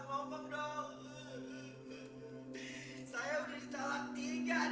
kok nggak nino udah ngasih lampu hijau malah dibikin merah lagi